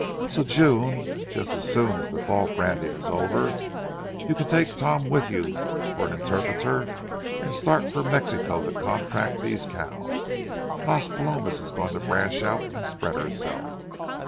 So, June, just as soon as the fall branding is over, you can take Tom with you for an interpreter and start for Mexico to contract these cows. Las Palomas is going to branch out and spread herself.